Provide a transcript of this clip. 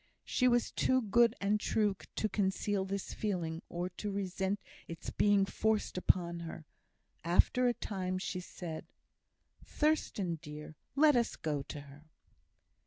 She was too good and true to conceal this feeling, or to resent its being forced upon her. After a time she said, "Thurstan, dear, let us go to her."